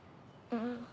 うん。